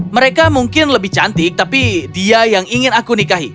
mereka mungkin lebih cantik tapi dia yang ingin aku nikahi